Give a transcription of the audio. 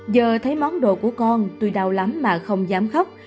giờ thấy món đồ của con tuy đau lắm mà không dám khóc